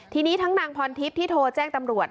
ทีนี้ทั้งนางพรทิพย์ที่โทรแจ้งตำรวจ